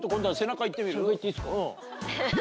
背中いっていいっすか？